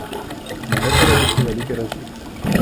На гэта робіцца вялікі разлік.